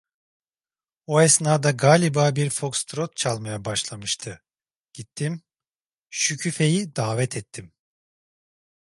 O esnada galiba bir fokstrot çalmaya başlamıştı, gittim, Şükufe'yi davet ettim.